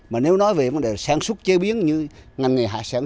mà nếu nói về sản xuất chế biến như ngành nghề hạ sản